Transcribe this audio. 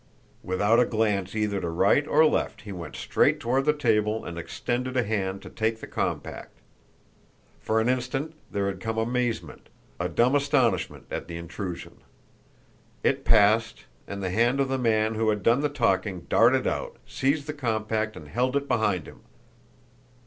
Without a glance either to right or left, he went straight toward the table, and extended a hand to take the compact. For an instant there had come amazement, a dumb astonishment, at the intrusion. It passed, and the hand of the man who had done the talking darted out, seized the compact, and held it behind him.